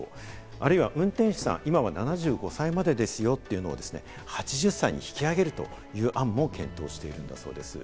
あるいは運転手さん、今は７５歳までですよというのを、８０歳に引き上げるという案も検討しているんだそうです。